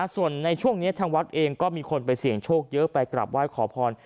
ส่วนในช่วงนี้ทางวัดเองก็มีคนไปเสี่ยงโชคเยอะไปกลับไหว้ขอพร